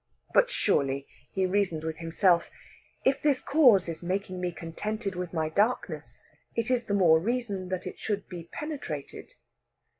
But surely, he reasoned with himself, if this cause is making me contented with my darkness, it is the more reason that it should be penetrated.